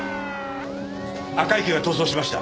赤池が逃走しました。